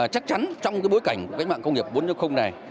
chắc chắn trong bối cảnh các mạng công nghiệp bốn này